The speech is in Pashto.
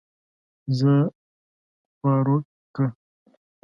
زۀ خواروک کۀ